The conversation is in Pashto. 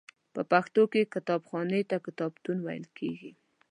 په پښتو کې کتابخانې ته کتابتون ویل کیږی.